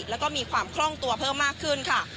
แล้วก็มีความคล่องตัวเพิ่มมากขึ้นค่ะ